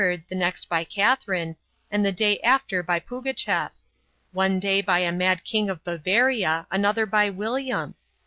the next by Catherine, and the day after by Pougachef; one day by a mad king of Bavaria, another by William?